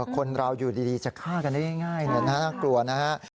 คนเราอยู่ดีจะฆ่ากันได้ง่ายน่ากลัวนะครับ